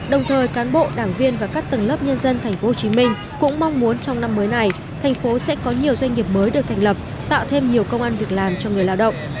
đồng thời cán bộ đảng viên và các tầng lớp nhân dân thành phố hồ chí minh cũng mong muốn trong năm mới này thành phố sẽ có nhiều doanh nghiệp mới được thành lập tạo thêm nhiều công ăn việc làm cho người lao động